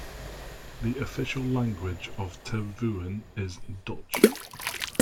The official language of Tervuren is Dutch.